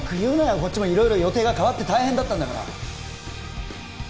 こっちも色々予定が変わって大変だったんだから